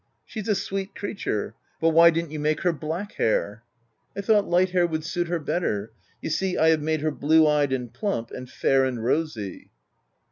She's a sweet creature ! but why didn't you make her blac^ hair ?" OF WILDFELL HALL. 335 u I thought light hair would suit her better. You see I have made her blue eyed, and plump, and fair and rosy."